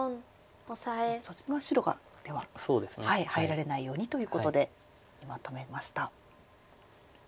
そこは白がでは入られないようにということでまとめました。